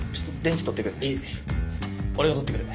いい俺が取ってくる。